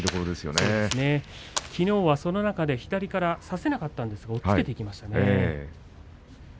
きのうはその中で左から差せなかったんですが押っつけていきました。